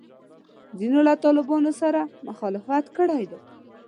ځینو له طالبانو سره مخالفت کړی دی.